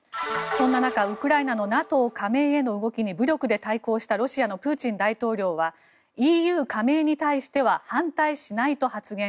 そんな中、ウクライナのＮＡＴＯ加盟への動きに武力で対抗したロシアのプーチン大統領はＥＵ加盟に対しては反対しないと発言。